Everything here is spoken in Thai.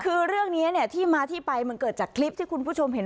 คือเรื่องนี้เนี่ยที่มาที่ไปมันเกิดจากคลิปที่คุณผู้ชมเห็น